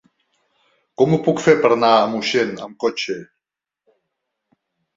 Com ho puc fer per anar a Moixent amb cotxe?